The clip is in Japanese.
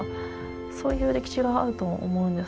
そういう歴史があると思うんですね。